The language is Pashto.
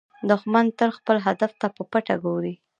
دښمن تل خپل هدف ته په پټه ګوري